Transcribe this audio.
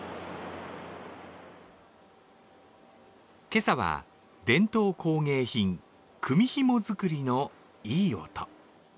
今朝は、伝統工芸品組みひも作りのいい音。